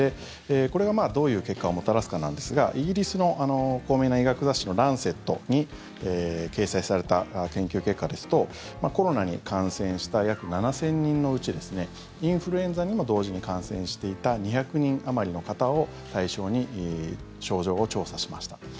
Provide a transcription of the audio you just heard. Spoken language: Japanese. これがどういう結果をもたらすかなんですがイギリスの高名な医学雑誌の「ランセット」に掲載された研究結果ですとコロナに感染した約７０００人のうちインフルエンザにも同時に感染していた２００人あまりの方を対象に症状を調査しました。